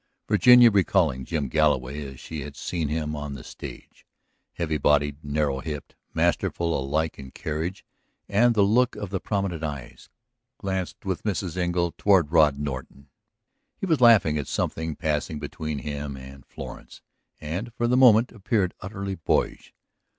Virginia, recalling Jim Galloway as she had seen him on the stage, heavy bodied, narrow hipped, masterful alike in carriage and the look of the prominent eyes, glanced with Mrs. Engle toward Rod Norton. He was laughing at something passing between him and Florence, and for the moment appeared utterly boyish.